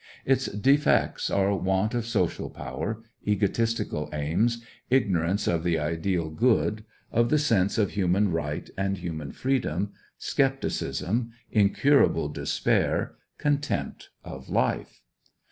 Its defects are want of social power, egotistical aims, ignorance of the ideal good, of the sense of human right and human freedom, skepticism, incurable despair, contempt of life.